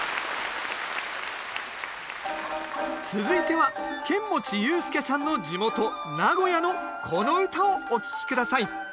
続いては剣持雄介さんの地元名古屋のこの唄をお聴き下さい。